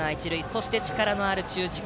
そして、力のある中軸。